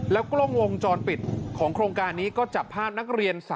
กล้องวงจรปิดของโครงการนี้ก็จับภาพนักเรียน๓